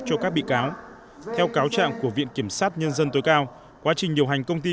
cho các bị cáo theo cáo trạng của viện kiểm sát nhân dân tối cao quá trình điều hành công ty